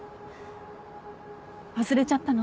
忘れちゃったの？